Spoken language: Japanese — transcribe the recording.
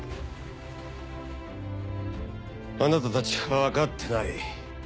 あなたたちはわかってない。